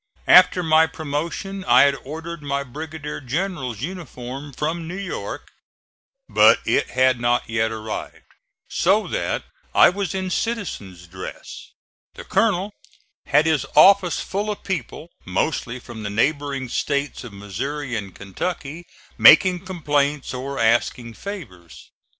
After my promotion I had ordered my brigadier general's uniform from New York, but it had not yet arrived, so that I was in citizen's dress. The Colonel had his office full of people, mostly from the neighboring States of Missouri and Kentucky, making complaints or asking favors.